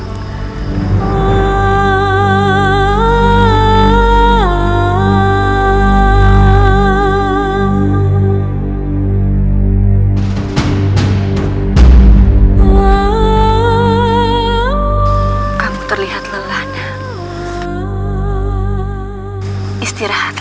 di mana kamu berada nak